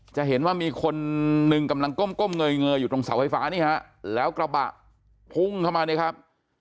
จะเห็นว่ามีคนหนึ่งกำลังก้มเงยอยู่ตรงเสาไฟฟ้านี่ฮะแล้วกระบะพุ่งเข้ามาเนี่ยครับ